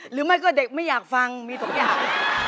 หรือไม่ก็เด็กไม่อยากฟังมีทุกอย่าง